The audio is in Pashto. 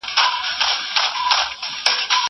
زه له سهاره کتاب وليکم!!!!